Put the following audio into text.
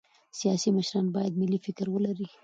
سیاسي مشران باید ملي فکر ولري